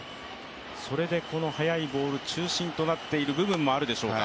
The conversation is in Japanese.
それでこの速いボール中心となっている部分もあるんでしょうか。